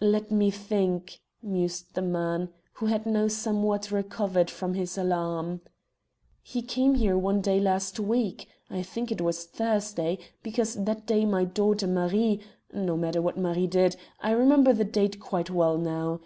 "Let me think," mused the man, who had now somewhat recovered from his alarm. "He came here one day last week I think it was Thursday, because that day my daughter Marie no matter what Marie did, I remember the date quite well now.